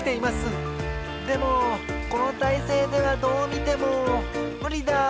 でもこのたいせいではどうみてもむりだ！